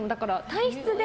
体質で。